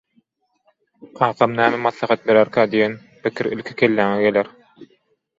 «Kakam näme maslahat bererkä?» diýen pikir ilki kelläňe geler.